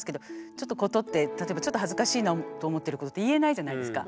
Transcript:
ちょっとことって例えばちょっと恥ずかしいなと思ってることって言えないじゃないですか。